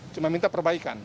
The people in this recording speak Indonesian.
cuma minta perbaikan